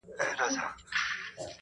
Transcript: • ويل كشكي ته پيدا نه واى له موره -